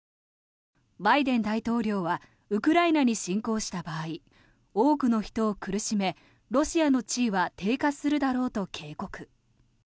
バイデン大統領はウクライナに侵攻した場合多くの人を苦しめロシアの地位は低下するだろうと警告。